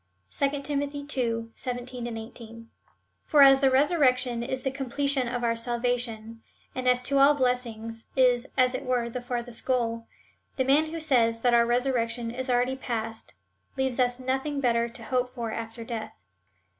(2 Tim. ii. 17, 18.) For as the resurrection is the completion of our salvation, and as to all blessings is, as it were, the farthest goal,^ the man who says that our resurrection is already past, leaves us nothing better to hope for after death.